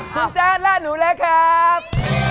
คุณแจ๊ดและหนูแหละครับ